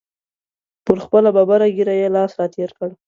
پر خپله ببره ږیره یې لاس را تېر کړ.